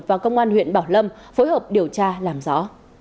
và công an huyện bảo lâm phối hợp điều tra làm rõ